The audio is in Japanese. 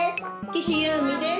岸有美です。